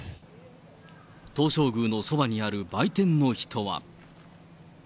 東照宮のそばにある売店の人は。